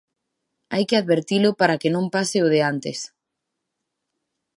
Hai que advertilo para que non pase o de antes.